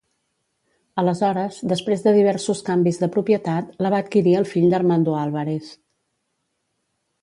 Aleshores, després de diversos canvis de propietat, la va adquirir el fill d'Armando Álvarez.